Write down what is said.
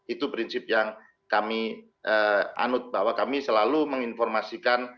itu prinsip yang kami anut bahwa kami selalu menginformasikan